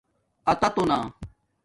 اُتاتُوتݳ